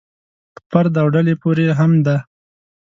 په فرد او ډلې پورې هم دی.